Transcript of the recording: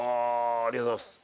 ありがとうございます。